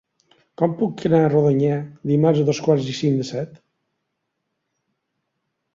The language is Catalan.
Com puc anar a Rodonyà dimarts a dos quarts i cinc de set?